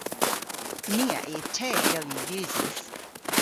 Ni a yv te, dell yw usys.